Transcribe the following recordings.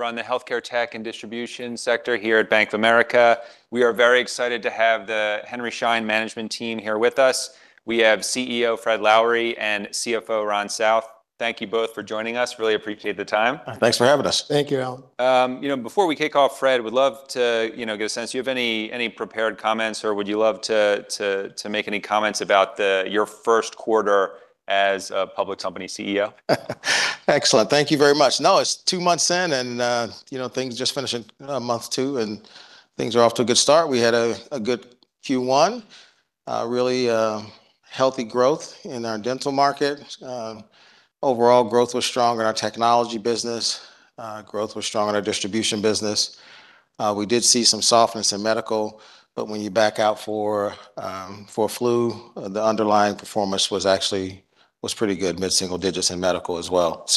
I run the healthcare tech and distribution sector here at Bank of America. We are very excited to have the Henry Schein management team here with us. We have CEO Fred Lowery and CFO Ron South. Thank you both for joining us. Really appreciate the time. Thanks for having us. Thank you, Allen. You know, before we kick off, Fred, would love to, you know, get a sense. Do you have any prepared comments, or would you love to make any comments about the, your first quarter as a public company CEO? Excellent. Thank you very much. No, it's two months in, and, you know, things just finishing, month two, and things are off to a good start. We had a good Q1. Really, healthy growth in our dental market. Overall growth was strong in our technology business. Growth was strong in our distribution business. We did see some softness in medical, but when you back out for flu, the underlying performance was actually pretty good, mid-single digits in medical as well.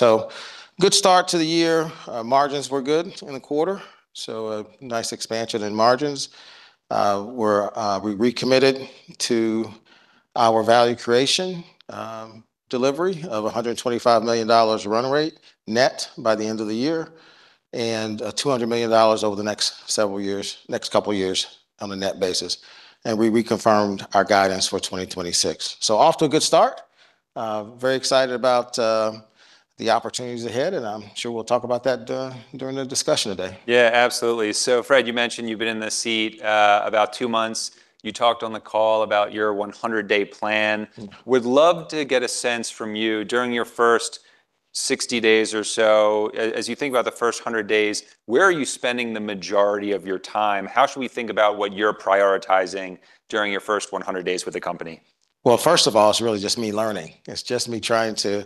Good start to the year. Our margins were good in the quarter, so a nice expansion in margins. We recommitted to our value creation delivery of $125 million run rate net by the end of the year, and $200 million over the next several years, next couple years on a net basis. We reconfirmed our guidance for 2026. Off to a good start. Very excited about the opportunities ahead, and I'm sure we'll talk about that during the discussion today. Yeah, absolutely. Fred, you mentioned you've been in this seat about two months. You talked on the call about your 100-day plan. Would love to get a sense from you, during your first 60 days or so, as you think about the first 100 days, where are you spending the majority of your time? How should we think about what you're prioritizing during your first 100 days with the company? Well, first of all, it's really just me learning. It's just me trying to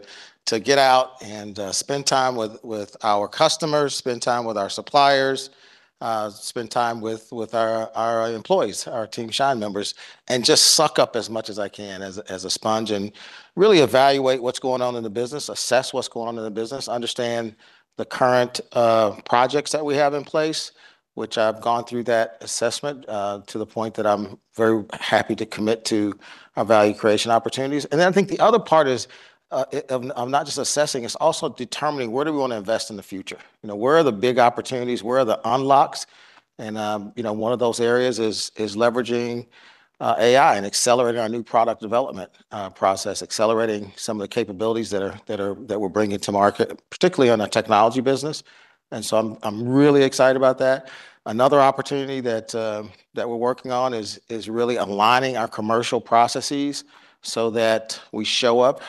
get out and spend time with our customers, spend time with our suppliers, spend time with our employees, our team Schein members, and just suck up as much as I can as a sponge and really evaluate what's going on in the business, assess what's going on in the business, understand the current projects that we have in place, which I've gone through that assessment to the point that I'm very happy to commit to our value creation opportunities. I think the other part is not just assessing, it's also determining where do we wanna invest in the future. You know, where are the big opportunities? Where are the unlocks? You know, one of those areas is leveraging AI and accelerating our new product development process, accelerating some of the capabilities that are that we're bringing to market, particularly on our technology business. I'm really excited about that. Another opportunity that we're working on is really aligning our commercial processes so that we show up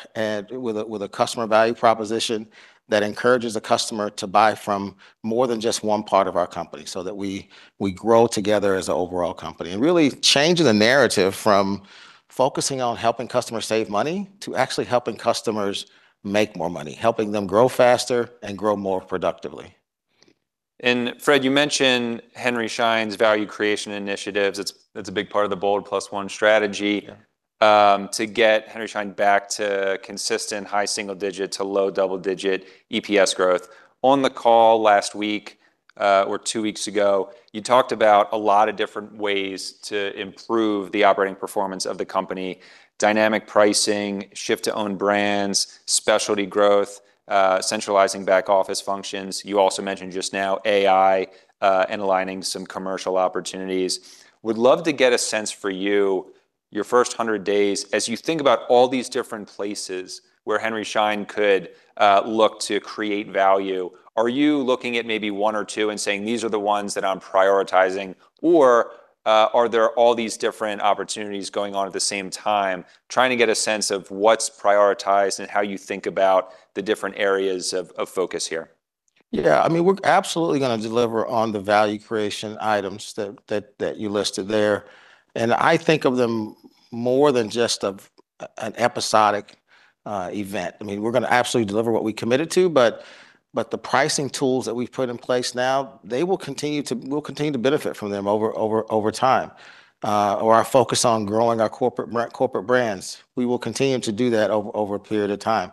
with a customer value proposition that encourages the customer to buy from more than just one part of our company, so that we grow together as an overall company. Really changing the narrative from focusing on helping customers save money to actually helping customers make more money, helping them grow faster and grow more productively. Fred, you mentioned Henry Schein's value creation initiatives. It's a big part of the BOLD+1 Strategy- Yeah.... to get Henry Schein back to consistent high single-digit to low double-digit EPS growth. On the call last week, or two weeks ago, you talked about a lot of different ways to improve the operating performance of the company, dynamic pricing, shift to own brands, specialty growth, centralizing back office functions. You also mentioned just now AI, and aligning some commercial opportunities. Would love to get a sense for you, your first 100 days, as you think about all these different places where Henry Schein could look to create value, are you looking at maybe one or two and saying, "These are the ones that I'm prioritizing," or, are there all these different opportunities going on at the same time? Trying to get a sense of what's prioritized and how you think about the different areas of focus here. Yeah, I mean, we're absolutely gonna deliver on the value creation items that you listed there. I think of them more than just an episodic event. I mean, we're gonna absolutely deliver what we committed to, but the pricing tools that we've put in place now, we'll continue to benefit from them over time. Our focus on growing our corporate brands, we will continue to do that over a period of time.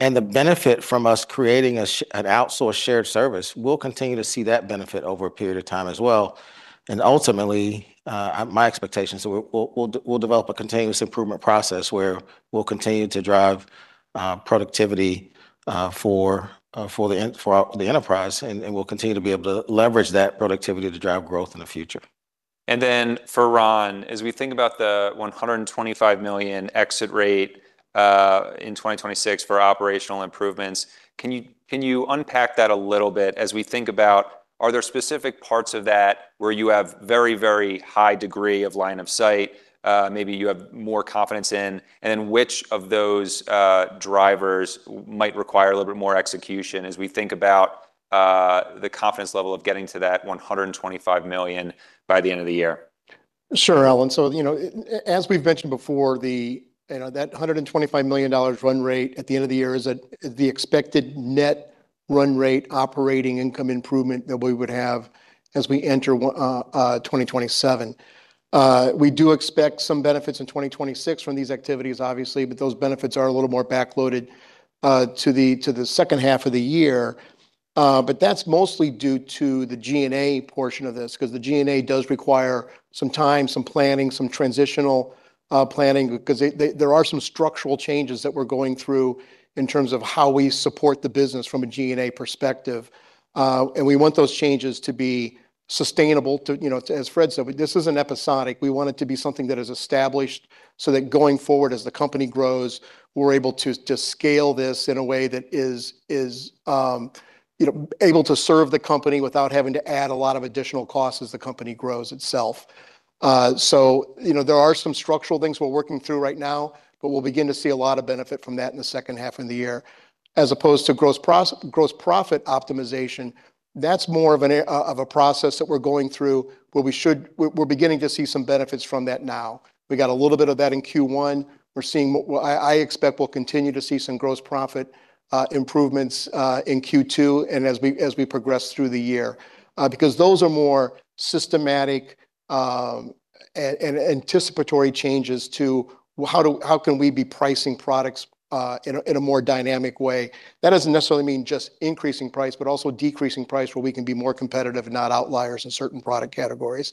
The benefit from us creating an outsourced shared service, we'll continue to see that benefit over a period of time as well. Ultimately, my expectation is we'll develop a continuous improvement process where we'll continue to drive productivity for our, the enterprise, and we'll continue to be able to leverage that productivity to drive growth in the future. For Ron, as we think about the $125 million exit rate in 2026 for operational improvements, can you unpack that a little bit as we think about are there specific parts of that where you have very, very high degree of line of sight, maybe you have more confidence in? Which of those drivers might require a little bit more execution as we think about the confidence level of getting to that $125 million by the end of the year? Sure, Allen. You know, as we've mentioned before, you know, that $125 million run rate at the end of the year is the expected net run rate operating income improvement that we would have as we enter 2027. We do expect some benefits in 2026 from these activities, obviously, but those benefits are a little more back-loaded to the second half of the year. That's mostly due to the G&A portion of this, because the G&A does require some time, some planning, some transitional planning, because there are some structural changes that we're going through in terms of how we support the business from a G&A perspective. We want those changes to be sustainable, you know, as Fred said, but this isn't episodic. We want it to be something that is established so that going forward, as the company grows, we're able to scale this in a way that is, you know, able to serve the company without having to add a lot of additional costs as the company grows itself. You know, there are some structural things we're working through right now, but we'll begin to see a lot of benefit from that in the second half of the year. As opposed to gross profit optimization, that's more of a process that we're going through, but we're beginning to see some benefits from that now. We got a little bit of that in Q1. We're seeing well, I expect we'll continue to see some gross profit improvements in Q2 and as we progress through the year. Because those are more systematic, anticipatory changes to, well, how can we be pricing products in a more dynamic way? That doesn't necessarily mean just increasing price, but also decreasing price where we can be more competitive and not outliers in certain product categories.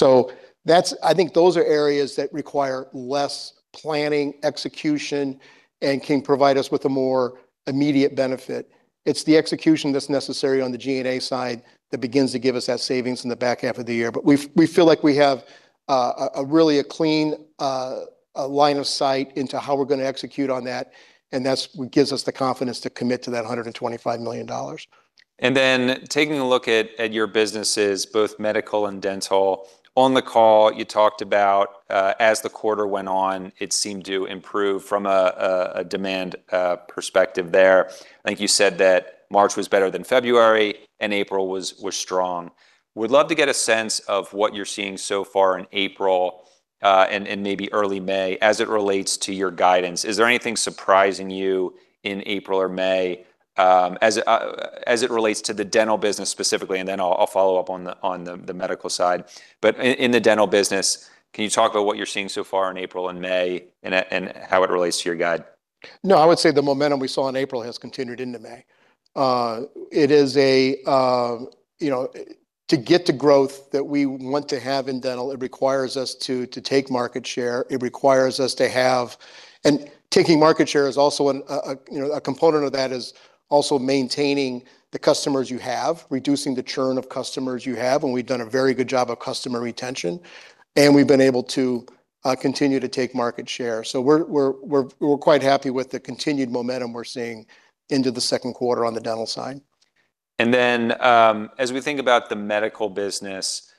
I think those are areas that require less planning, execution, and can provide us with a more immediate benefit. It's the execution that's necessary on the G&A side that begins to give us that savings in the back half of the year. We feel like we have a really a clean, a line of sight into how we're gonna execute on that, and that's what gives us the confidence to commit to that $125 million. Taking a look at your businesses, both medical and dental. On the call, you talked about as the quarter went on, it seemed to improve from a demand perspective there. I think you said that March was better than February, and April was strong. We'd love to get a sense of what you're seeing so far in April, and maybe early May as it relates to your guidance. Is there anything surprising you in April or May as it relates to the dental business specifically? And then I'll follow up on the medical side. In the dental business, can you talk about what you're seeing so far in April and May and how it relates to your guide? No, I would say the momentum we saw in April has continued into May. It is, you know, to get the growth that we want to have in dental, it requires us to take market share. Taking market share is also, you know, a component of that is also maintaining the customers you have, reducing the churn of customers you have, and we've done a very good job of customer retention, and we've been able to continue to take market share. We're quite happy with the continued momentum we're seeing into the second quarter on the dental side. As we think about the medical business,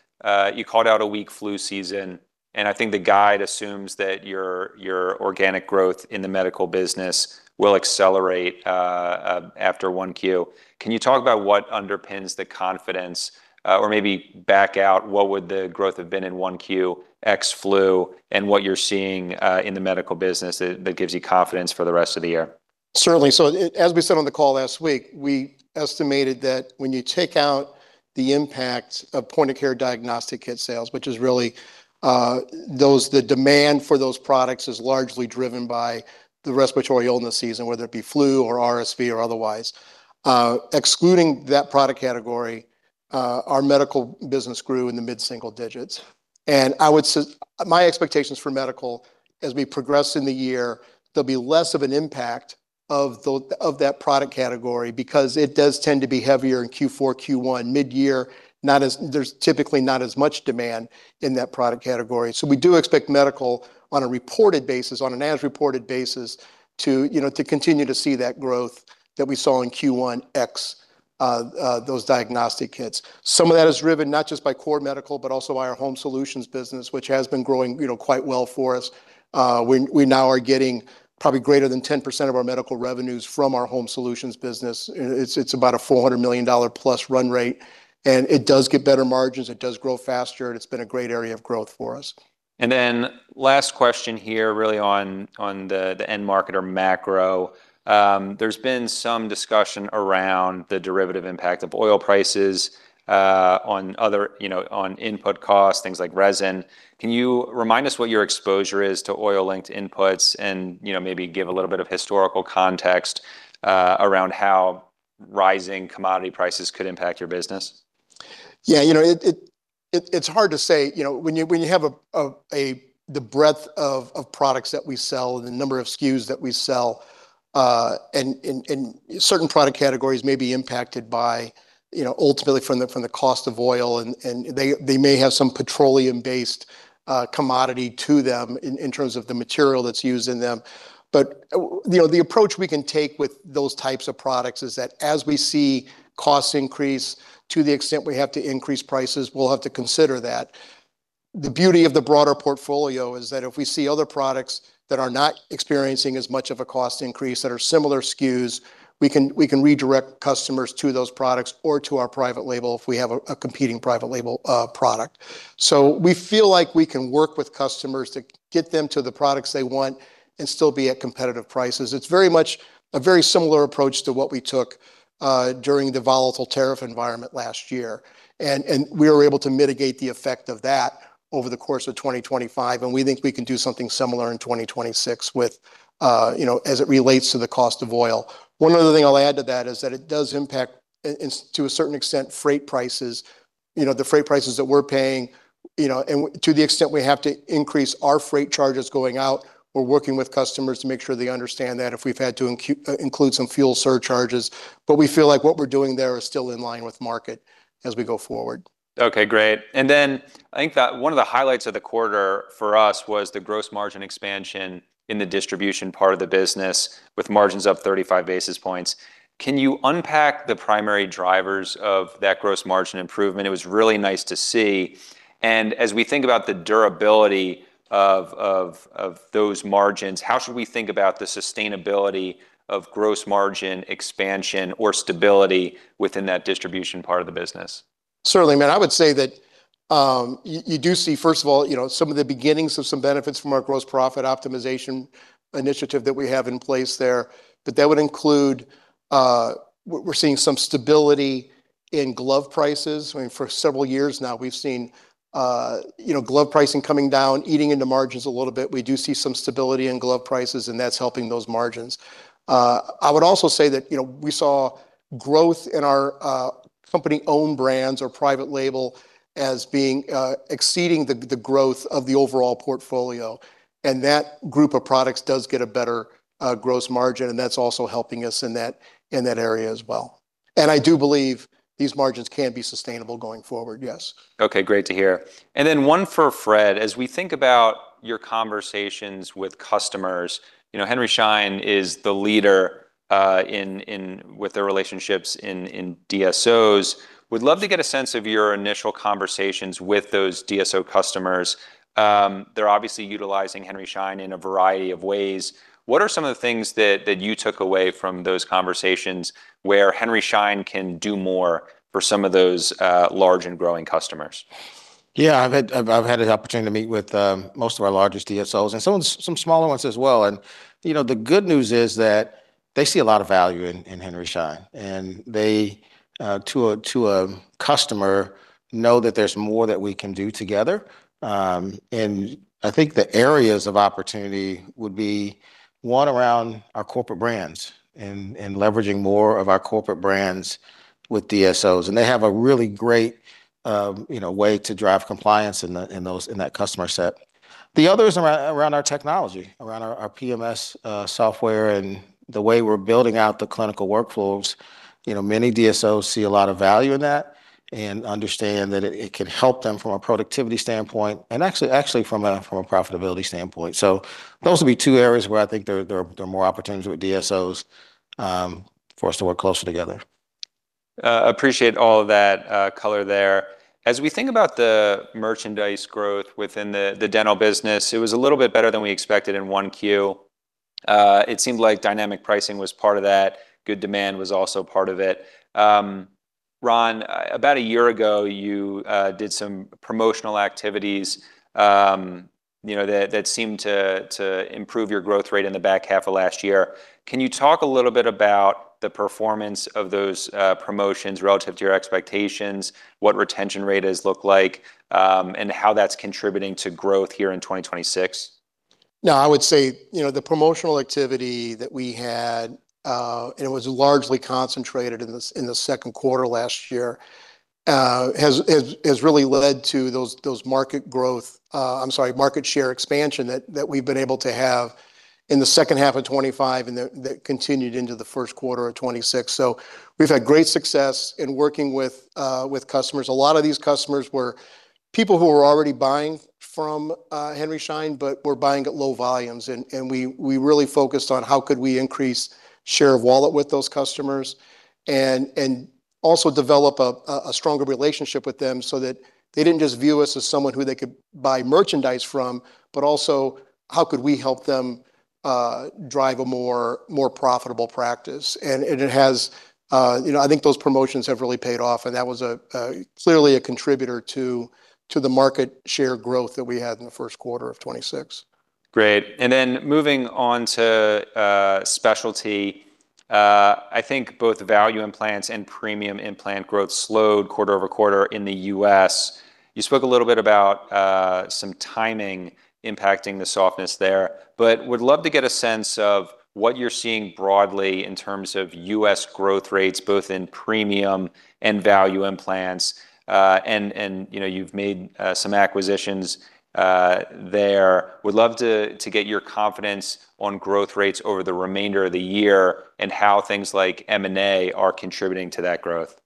you called out a weak flu season, and I think the guide assumes that your organic growth in the medical business will accelerate after 1Q. Can you talk about what underpins the confidence or maybe back out what would the growth have been in 1Q ex flu and what you're seeing in the medical business that gives you confidence for the rest of the year? Certainly. As we said on the call last week, we estimated that when you take out the impact of point-of-care diagnostic kit sales, which is really, the demand for those products is largely driven by the respiratory illness season, whether it be flu or RSV or otherwise. Excluding that product category, our medical business grew in the mid-single digits. My expectations for medical as we progress in the year, there'll be less of an impact of that product category because it does tend to be heavier in Q4, Q1. Midyear, there's typically not as much demand in that product category. We do expect medical on a reported basis, on as reported basis, to, you know, to continue to see that growth that we saw in Q1 ex those diagnostic kits. Some of that is driven not just by core medical, but also by our home solutions business, which has been growing, you know, quite well for us. We now are getting probably greater than 10% of our medical revenues from our home solutions business. It's about a $400+ million run rate, and it does get better margins, it does grow faster, and it's been a great area of growth for us. Last question here really on the end market or macro. There's been some discussion around the derivative impact of oil prices, on other, you know, on input costs, things like resin. Can you remind us what your exposure is to oil-linked inputs and, you know, maybe give a little bit of historical context, around how rising commodity prices could impact your business? Yeah, you know, it's hard to say. You know, when you have the breadth of products that we sell, the number of SKUs that we sell, and certain product categories may be impacted by, you know, ultimately from the cost of oil and they may have some petroleum-based commodity to them in terms of the material that's used in them. You know, the approach we can take with those types of products is that as we see costs increase, to the extent we have to increase prices, we'll have to consider that. The beauty of the broader portfolio is that if we see other products that are not experiencing as much of a cost increase that are similar SKUs, we can redirect customers to those products or to our private label if we have a competing private label product. We feel like we can work with customers to get them to the products they want and still be at competitive prices. It's very much a very similar approach to what we took during the volatile tariff environment last year. We were able to mitigate the effect of that over the course of 2025, we think we can do something similar in 2026 as it relates to the cost of oil. One other thing I'll add to that is that it does impact in to a certain extent, freight prices. You know, the freight prices that we're paying. You know, and to the extent we have to increase our freight charges going out, we're working with customers to make sure they understand that if we've had to include some fuel surcharges. We feel like what we're doing there is still in line with market as we go forward. Okay, great. I think that one of the highlights of the quarter for us was the gross margin expansion in the distribution part of the business with margins up 35 basis points. Can you unpack the primary drivers of that gross margin improvement? It was really nice to see. As we think about the durability of those margins, how should we think about the sustainability of gross margin expansion or stability within that distribution part of the business? Certainly, Allen. I would say that you do see, first of all, you know, some of the beginnings of some benefits from our Gross Profit Optimization Initiative that we have in place there. That would include, we're seeing some stability in glove prices. I mean, for several years now, we've seen, you know, glove pricing coming down, eating into margins a little bit. We do see some stability in glove prices, and that's helping those margins. I would also say that, you know, we saw growth in our company-owned brands or private label as being exceeding the growth of the overall portfolio, and that group of products does get a better gross margin, and that's also helping us in that area as well. I do believe these margins can be sustainable going forward. Yes. Okay. Great to hear. One for Fred. As we think about your conversations with customers, you know, Henry Schein is the leader with their relationships in DSOs. Would love to get a sense of your initial conversations with those DSO customers. They're obviously utilizing Henry Schein in a variety of ways. What are some of the things that you took away from those conversations where Henry Schein can do more for some of those large and growing customers? I've had an opportunity to meet with most of our largest DSOs and some smaller ones as well. You know, the good news is that they see a lot of value in Henry Schein, and they, to a customer, know that there's more that we can do together. I think the areas of opportunity would be, one, around our corporate brands and leveraging more of our corporate brands with DSOs, and they have a really great, you know, way to drive compliance in that customer set. The other is around our technology, around our PMS software and the way we're building out the clinical workflows. You know, many DSOs see a lot of value in that and understand that it can help them from a productivity standpoint and actually from a profitability standpoint. Those would be two areas where I think there are more opportunities with DSOs for us to work closer together. Appreciate all of that color there. As we think about the merchandise growth within the dental business, it was a little bit better than we expected in 1Q. It seemed like dynamic pricing was part of that. Good demand was also part of it. Ron, about a year ago, you did some promotional activities, you know, that seemed to improve your growth rate in the back half of last year. Can you talk a little bit about the performance of those promotions relative to your expectations, what retention rate has looked like, and how that's contributing to growth here in 2026? No, I would say, you know, the promotional activity that we had, and it was largely concentrated in the second quarter last year, has really led to those market growth, I'm sorry, market share expansion that we've been able to have in the second half of 2025 and that continued into the first quarter of 2026. We've had great success in working with customers. A lot of these customers were people who were already buying from Henry Schein but were buying at low volumes. We really focused on how could we increase share of wallet with those customers and also develop a stronger relationship with them so that they didn't just view us as someone who they could buy merchandise from, but also how could we help them drive a more profitable practice. It has, you know, I think those promotions have really paid off, and that was clearly a contributor to the market share growth that we had in the first quarter of 2026. Great. Moving on to specialty, I think both value implants and premium implant growth slowed quarter-over-quarter in the U.S. You spoke a little bit about some timing impacting the softness there, but would love to get a sense of what you're seeing broadly in terms of U.S. growth rates, both in premium and value implants. You know, you've made some acquisitions there. Would love to get your confidence on growth rates over the remainder of the year and how things like M&A are contributing to that growth.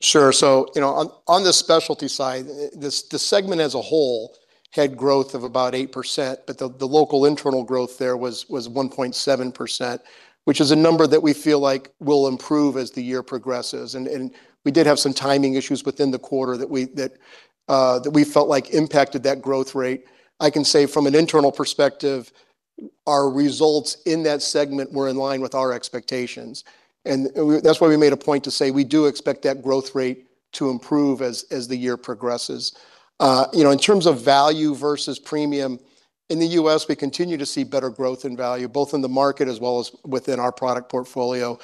Sure. you know, on the specialty side, the segment as a whole had growth of about 8%, the local internal growth there was 1.7%, which is a number that we feel like will improve as the year progresses. And we did have some timing issues within the quarter that we felt like impacted that growth rate. I can say from an internal perspective, our results in that segment were in line with our expectations. That's why we made a point to say we do expect that growth rate to improve as the year progresses. you know, in terms of value versus premium, in the U.S., we continue to see better growth in value, both in the market as well as within our product portfolio.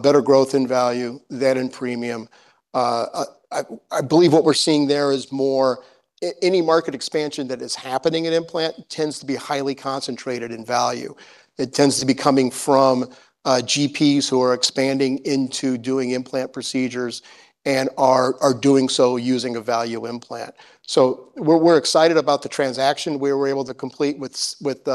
Better growth in value than in premium. I believe what we're seeing there is more—any market expansion that is happening in implant tends to be highly concentrated in value. It tends to be coming from GPs who are expanding into doing implant procedures and are doing so using a value implant. We're excited about the transaction we were able to complete with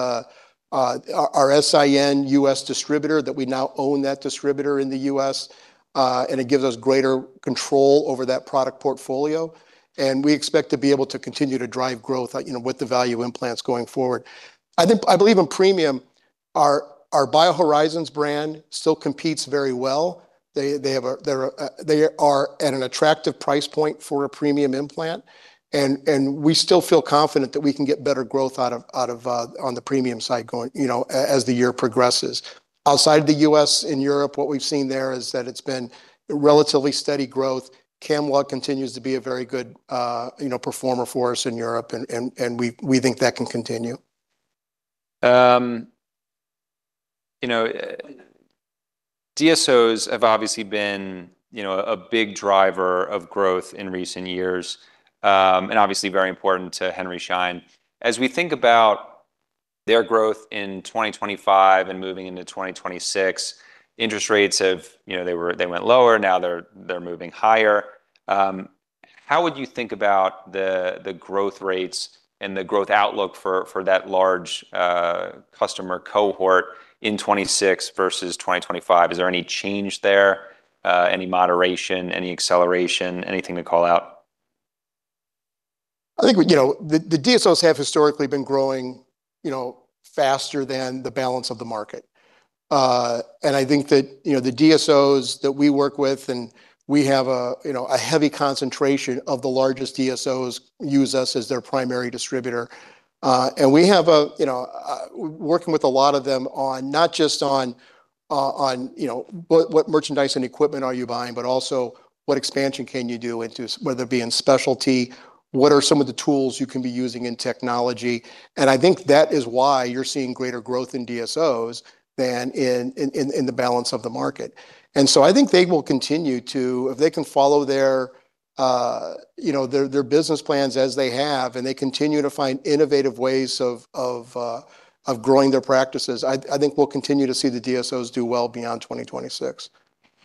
our S.I.N. U.S. distributor, that we now own that distributor in the U.S. It gives us greater control over that product portfolio. We expect to be able to continue to drive growth, you know, with the value implants going forward. I believe in premium, our BioHorizons brand still competes very well. They are at an attractive price point for a premium implant. We still feel confident that we can get better growth out of on the premium side going, you know, as the year progresses. Outside the U.S. and Europe, what we've seen there is that it's been relatively steady growth. Camlog continues to be a very good, you know, performer for us in Europe, and we think that can continue. You know, DSOs have obviously been, you know, a big driver of growth in recent years, and obviously very important to Henry Schein. As we think about their growth in 2025 and moving into 2026, interest rates have, you know, they went lower, now they're moving higher. How would you think about the growth rates and the growth outlook for that large customer cohort in 2026 versus 2025? Is there any change there? Any moderation, any acceleration, anything to call out? I think we—you know, the DSOs have historically been growing, you know, faster than the balance of the market. I think that, you know, the DSOs that we work with, we have a, you know, a heavy concentration of the largest DSOs use us as their primary distributor. We have a—you know, working with a lot of them on not just on, you know, what merchandise and equipment are you buying, but also what expansion can you do into whether it be in specialty, what are some of the tools you can be using in technology. I think that is why you're seeing greater growth in DSOs than in the balance of the market. I think they will continue to, if they can follow their, you know, their business plans as they have, and they continue to find innovative ways of growing their practices, I think we'll continue to see the DSOs do well beyond 2026.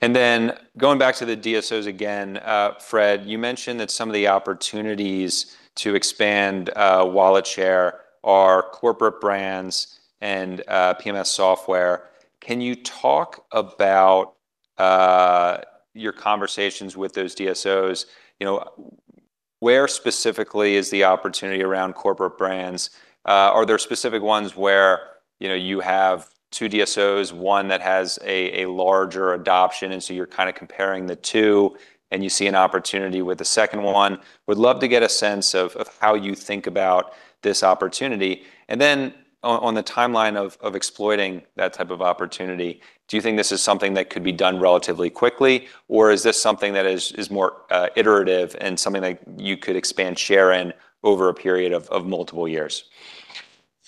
Going back to the DSOs again, Fred, you mentioned that some of the opportunities to expand wallet share are corporate brands and PMS software. Can you talk about your conversations with those DSOs? You know, where specifically is the opportunity around corporate brands? Are there specific ones where, you know, you have two DSOs, one that has a larger adoption, you're kind of comparing the two, and you see an opportunity with the second one? Would love to get a sense of how you think about this opportunity. On the timeline of exploiting that type of opportunity, do you think this is something that could be done relatively quickly, or is this something that is more iterative and something that you could expand share in over a period of multiple years?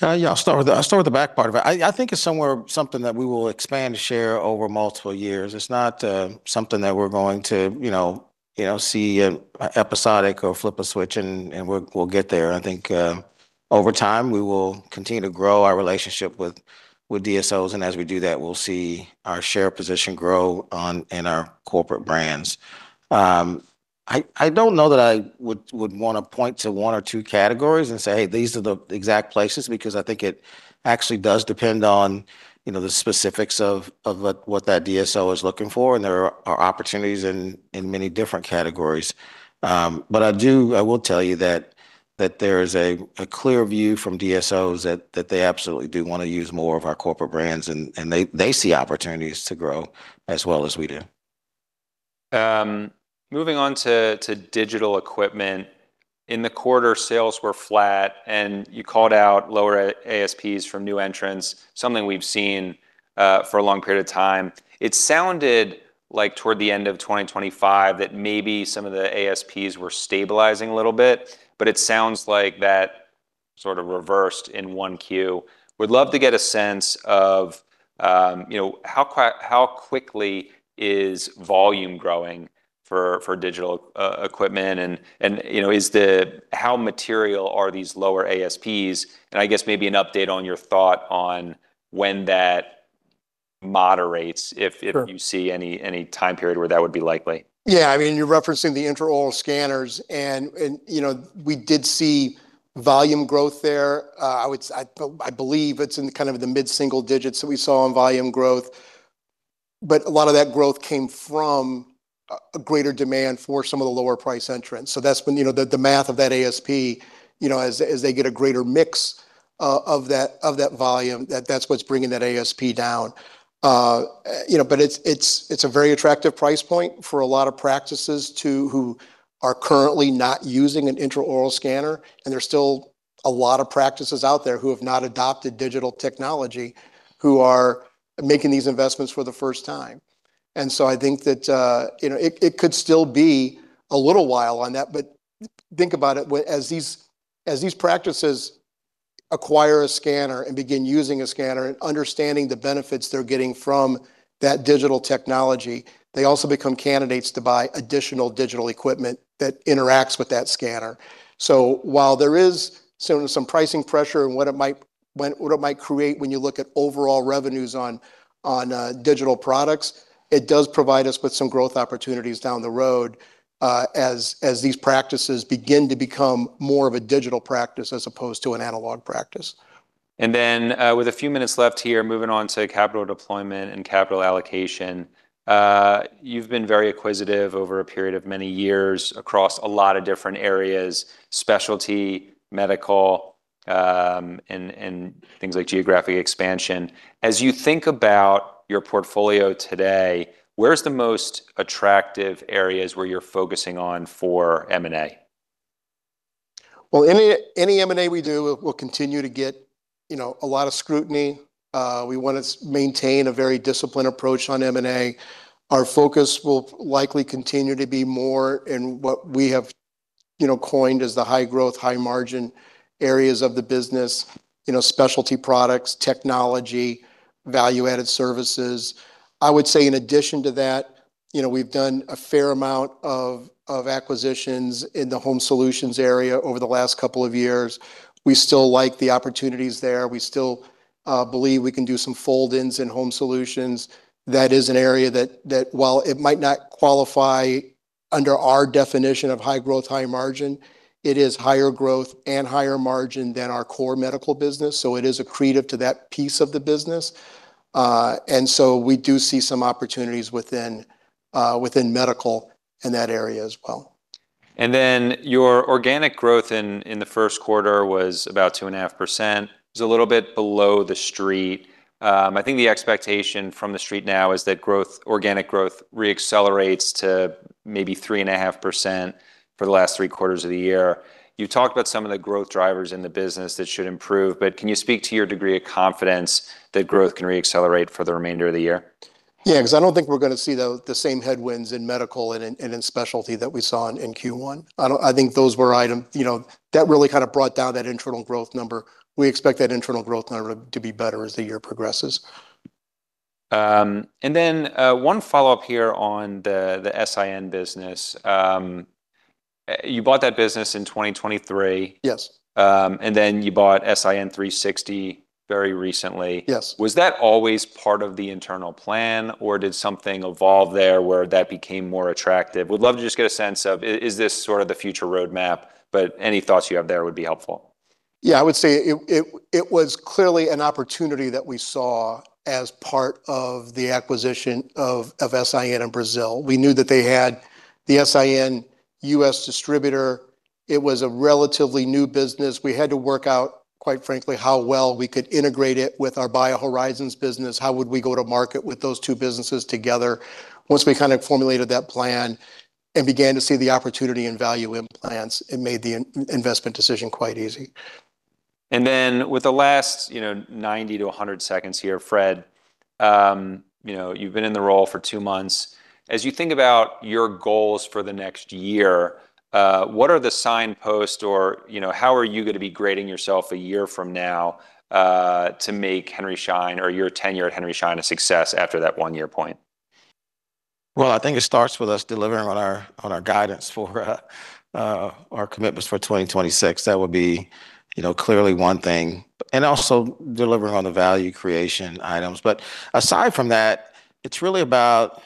Yeah, I'll start with the back part of it. I think it's something that we will expand the share over multiple years. It's not something that we're going to, you know, you know, see episodic or flip a switch and we'll get there. I think over time, we will continue to grow our relationship with DSOs, and as we do that, we'll see our share position grow in our corporate brands. I don't know that I would wanna point to one or two categories and say, "Hey, these are the exact places," because I think it actually does depend on, you know, the specifics of what that DSO is looking for, and there are opportunities in many different categories. I will tell you that there is a clear view from DSOs that they absolutely do wanna use more of our corporate brands, and they see opportunities to grow as well as we do. Moving on to digital equipment. In the quarter, sales were flat, and you called out lower ASPs from new entrants, something we've seen for a long period of time. It sounded like toward the end of 2025 that maybe some of the ASPs were stabilizing a little bit, but it sounds like that sort of reversed in 1Q. Would love to get a sense of, you know, how quickly is volume growing for digital equipment, and, you know, how material are these lower ASPs. I guess maybe an update on your thought on when that moderates- Sure.... if you see any time period where that would be likely. Yeah. I mean, you're referencing the intraoral scanners and, you know, we did see volume growth there. I believe it's in kind of the mid-single digits that we saw in volume growth. A lot of that growth came from a greater demand for some of the lower-priced entrants. That's when, you know, the math of that ASP, you know, as they get a greater mix of that volume, that's what's bringing that ASP down. You know, it's a very attractive price point for a lot of practices who are currently not using an intraoral scanner, and there's still a lot of practices out there who have not adopted digital technology who are making these investments for the first time. I think that, you know, it could still be a little while on that. Think about it, as these practices acquire a scanner and begin using a scanner and understanding the benefits they're getting from that digital technology, they also become candidates to buy additional digital equipment that interacts with that scanner. While there is some pricing pressure and what it might create when you look at overall revenues on digital products, it does provide us with some growth opportunities down the road, as these practices begin to become more of a digital practice as opposed to an analog practice. With a few minutes left here, moving on to capital deployment and capital allocation. You've been very acquisitive over a period of many years across a lot of different areas, specialty, medical, and things like geographic expansion. As you think about your portfolio today, where's the most attractive areas where you're focusing on for M&A? Well, any M&A we do will continue to get, you know, a lot of scrutiny. We wanna maintain a very disciplined approach on M&A. Our focus will likely continue to be more in what we have, you know, coined as the high-growth, high-margin areas of the business. You know, specialty products, technology, value-added services. I would say in addition to that, you know, we've done a fair amount of acquisitions in the home solutions area over the last couple of years. We still like the opportunities there. We still believe we can do some fold-ins in home solutions. That is an area that while it might not qualify under our definition of high-growth, high-margin, it is higher growth and higher margin than our core medical business, so it is accretive to that piece of the business. We do see some opportunities within medical in that area as well. Your organic growth in the first quarter was about 2.5%. It was a little bit below the street. I think the expectation from the street now is that growth, organic growth re-accelerates to maybe 3.5% for the last three quarters of the year. You talked about some of the growth drivers in the business that should improve, can you speak to your degree of confidence that growth can re-accelerate for the remainder of the year? Yeah, 'cause I don't think we're gonna see the same headwinds in medical and in specialty that we saw in Q1. I think those were one-time, you know, that really kinda brought down that internal growth number. We expect that internal growth number to be better as the year progresses. One follow-up here on the S.I.N. business. You bought that business in 2023. Yes. You bought S.I.N. 360 very recently. Yes. Was that always part of the internal plan, or did something evolve there where that became more attractive? Would love to just get a sense of is this sort of the future roadmap, any thoughts you have there would be helpful. I would say it was clearly an opportunity that we saw as part of the acquisition of S.I.N. in Brazil. We knew that they had the S.I.N. U.S. distributor. It was a relatively new business. We had to work out, quite frankly, how well we could integrate it with our BioHorizons business. How would we go to market with those two businesses together? Once we kind of formulated that plan and began to see the opportunity and value in plans, it made the investment decision quite easy. With the last, you know, 90 to 100 seconds here, Fred, you know, you've been in the role for two months. As you think about your goals for the next year, what are the signpost or, you know, how are you gonna be grading yourself a year from now, to make Henry Schein or your tenure at Henry Schein a success after that one-year point? Well, I think it starts with us delivering on our guidance for our commitments for 2026. That would be, you know, clearly one thing. Also delivering on the value creation items. Aside from that, it's really about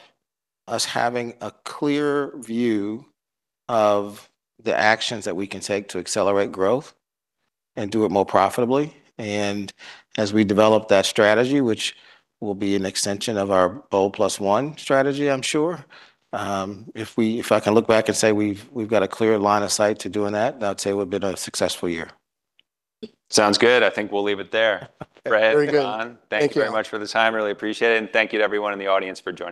us having a clear view of the actions that we can take to accelerate growth and do it more profitably. As we develop that strategy, which will be an extension of our BOLD+1 Strategy, I'm sure, if I can look back and say we've got a clear line of sight to doing that would say it would've been a successful year. Sounds good. I think we'll leave it there. Fred, Ron- Very good. Thank you.... thank you very much for the time. Really appreciate it, and thank you to everyone in the audience for joining us.